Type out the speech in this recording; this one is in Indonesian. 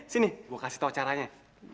sini gue kasih tau caranya